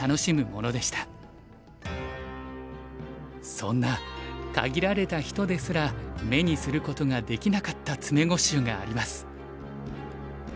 そんな限られた人ですら目にすることができなかった詰碁集があります。